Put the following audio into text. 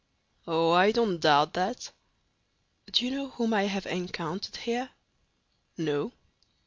"Oh, I don't doubt that." "Do you know whom I have encountered here?" "No."